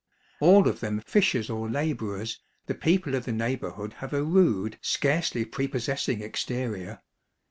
All of them fishers or laborers, the people of the neighborhood have a rude, scarcely prepossessing exterior.